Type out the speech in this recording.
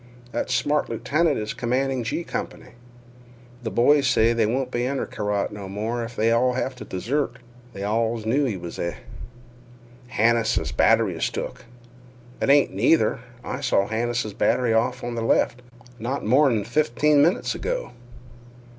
That smart lieutenant is commanding 'G' Company. Th' boys say they won't be under Carrott no more if they all have t' desert. They allus knew he was a—" "Hannises' batt'ry is took." "It ain't either. I saw Hannises' batt'ry off on th' left not more'n fifteen minutes ago."